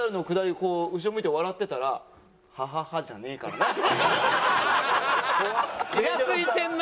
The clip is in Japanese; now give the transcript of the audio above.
こう後ろ向いて笑ってたら「“アハハ”じゃねえからな」。イラついてるな！